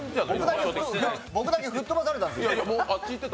僕だけ吹っ飛ばされたんです。